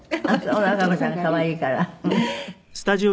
「和歌子さんが可愛いから？」